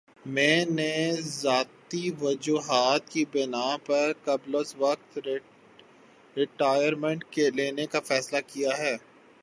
میں نے ذاتی وجوہات کی بِنا پر قبلازوقت ریٹائرمنٹ لینے کا فیصلہ کِیا ہے